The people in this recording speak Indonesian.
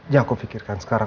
ya aku pikirkan sekarang